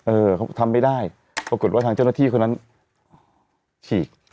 เออเขาทำไม่ได้ปรากฏว่าทางเจ้าหน้าที่คนนั้นฉีก